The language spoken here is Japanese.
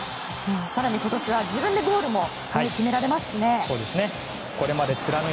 更に今年は自分でゴールも決められますしね。